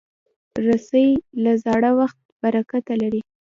رسۍ له زاړه وخت برکته لري.